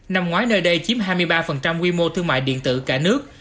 năm ngoái nơi đây chiếm hai mươi ba quy mô thương mại điện tử cả nước